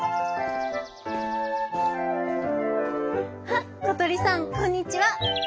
「あっことりさんこんにちは。